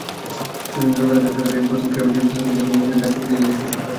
সুইজারল্যান্ডে রজার ফেদেরারই প্রথম ক্রীড়াবিদ জীবিত থাকতেই যাঁকে নিয়ে ডাকটিকিট ছেপেছে দেশটির সরকার।